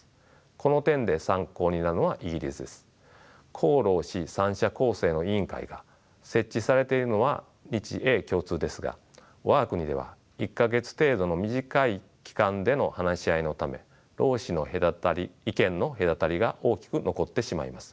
公労使三者構成の委員会が設置されているのは日英共通ですが我が国では１か月程度の短い期間での話し合いのため労使の意見の隔たりが大きく残ってしまいます。